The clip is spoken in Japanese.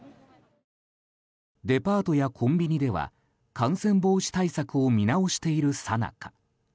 デパートやコンビニでは感染防止対策を見直しているさなか。